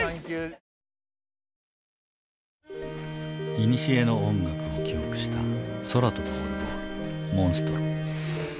いにしえの音楽を記憶した空飛ぶオルゴール「モンストロ」。